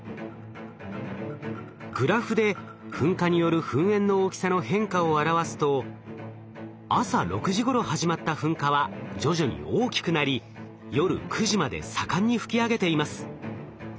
グラフで噴火による噴煙の大きさの変化を表すと朝６時ごろ始まった噴火は徐々に大きくなり夜９時まで盛んに噴き上げています。